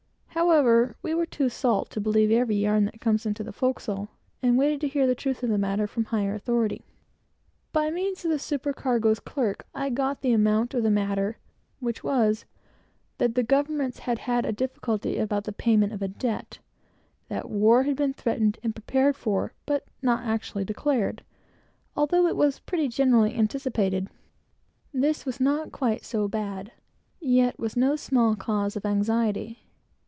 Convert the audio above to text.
However, we were too salt to believe every yarn that comes into the forecastle, and waited to hear the truth of the matter from higher authority. By means of a supercargo's clerk, I got the account of the matter, which was, that the governments had had difficulty about the payment of a debt; that war had been threatened and prepared for, but not actually declared, although it was pretty generally anticipated. This was not quite so bad, yet was no small cause of anxiety.